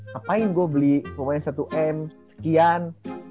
ngapain gua beli pemain satu m sekian